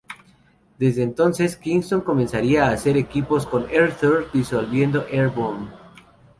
Desde entonces, Kingston comenzaría a hacer equipos con R-Truth, disolviendo Air Boom.